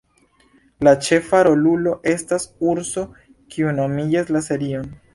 La ĉefa rolulo estas urso kiu nomigas la serion.